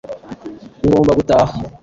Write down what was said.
ngomba gutaha